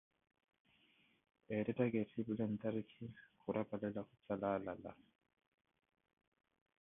Ettettaka etthipile ntarikhi, khurapalela khusala alala.